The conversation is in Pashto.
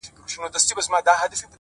د ميني ننداره ده، د مذهب خبره نه ده،